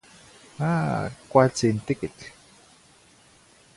Ah, cualtzih n tiquitl.